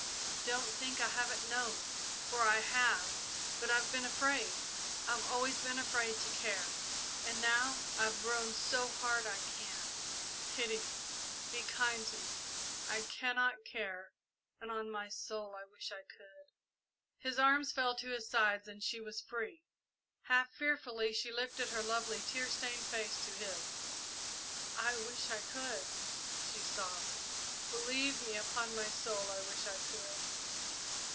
Don't think I haven't known, for I have; but I've been afraid I've always been afraid to care, and now I've grown so hard I can't! Pity me be kind to me I cannot care, and on my soul I wish I could!" His arms fell to his sides and she was free. Half fearfully she lifted her lovely, tear stained face to his. "I wish I could!" she sobbed. "Believe me, upon my soul, I wish I could!"